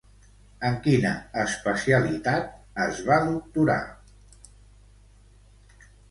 En quina especialitat es va doctorar?